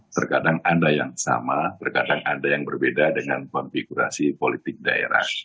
terkadang anda yang sama terkadang ada yang berbeda dengan konfigurasi politik daerah